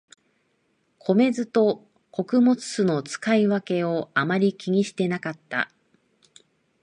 米酢と穀物酢の使い分けをあまり気にしてなかった